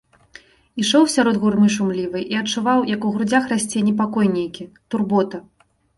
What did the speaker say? Ішоў сярод гурмы шумлівай і адчуваў, як у грудзях расце непакой нейкі, турбота.